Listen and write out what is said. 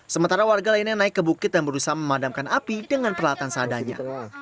sementara warga lainnya naik ke bukit dan berusaha memadamkan api dengan peralatan seadanya